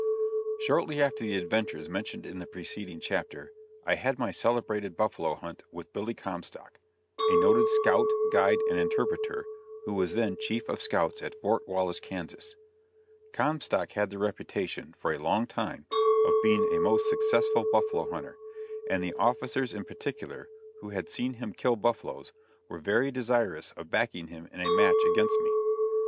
Shortly after the adventures mentioned in the preceding chapter, I had my celebrated buffalo hunt with Billy Comstock, a noted scout, guide and interpreter, who was then chief of scouts at Fort Wallace, Kansas. Comstock had the reputation, for a long time, of being a most successful buffalo hunter, and the officers in particular, who had seen him kill buffaloes, were very desirous of backing him in a match against me.